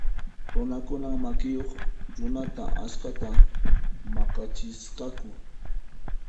Runakunan makiyuq runata askhata maq'achisqaku.